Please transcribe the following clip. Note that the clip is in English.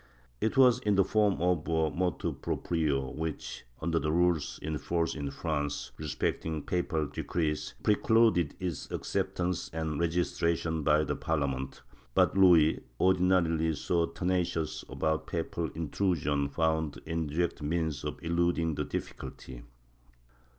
It was in the form of a motu proprio which, under the rules in force in France respecting papal decrees, precluded its accept ance and registration by the Parlement, but Louis, ordinarily so tenacious about papal intrusion, found indirect means of eluding the difficulty.